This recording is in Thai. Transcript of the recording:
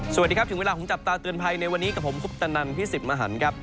สวัสดีครับถึงเวลาของจับตาเตือนภัยในวันนี้กับผมคุปตนันพี่สิทธิ์มหันครับ